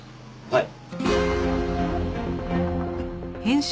はい。